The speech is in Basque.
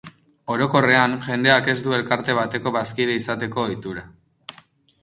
Orokorrean, jendeak ez du elkarte bateko bazkide izateko ohitura.